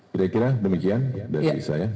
kira kira demikian dari saya